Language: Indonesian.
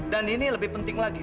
dan ini lebih penting lagi